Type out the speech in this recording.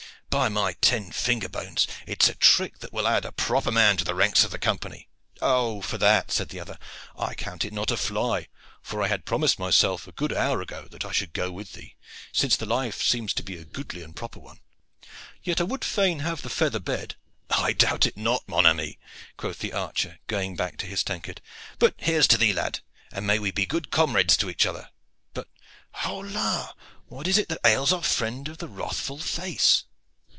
By my ten finger bones! it is a trick that will add a proper man to the ranks of the Company." "Oh, for that," said the other, "I count it not a fly; for I had promised myself a good hour ago that I should go with thee, since the life seems to be a goodly and proper one. Yet I would fain have had the feather bed." "I doubt it not, mon ami," quoth the archer, going back to his tankard. "Here is to thee, lad, and may we be good comrades to each other! But, hola! what is it that ails our friend of the wrathful face?"